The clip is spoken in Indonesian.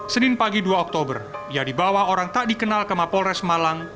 senin pagi dua oktober ia dibawa orang tak dikenal ke mapolres malang